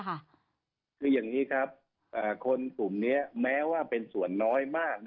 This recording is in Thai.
คืออย่างนี้ครับคนกลุ่มนี้แม้ว่าเป็นส่วนน้อยมาก